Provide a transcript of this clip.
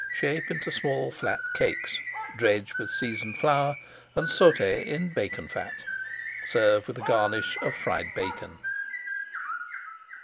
Shape into small flat cakes, dredge with seasoned flour, and sauté in bacon fat. Serve with a garnish of fried bacon.